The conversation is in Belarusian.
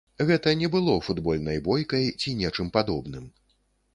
Гэта не было футбольнай бойкай ці нечым падобным.